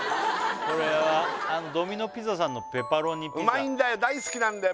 これはドミノピザさんのペパロニピザうまいんだよ大好きなんだよ